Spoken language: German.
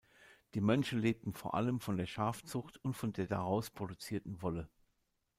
Die Mönche lebten vor allem von der Schafzucht und von der daraus produzierten Wolle.